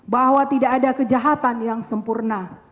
bahwa tidak ada kejahatan yang sempurna